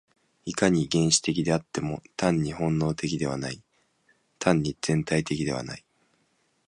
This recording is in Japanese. いかに原始的であっても、単に本能的ではない、単に全体的ではない。